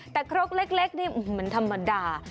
แต่ครกเล็กนี่มันธรรมดา